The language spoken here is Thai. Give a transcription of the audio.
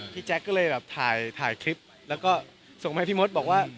แจ๊คก็เลยแบบถ่ายคลิปแล้วก็ส่งมาให้พี่มดบอกว่า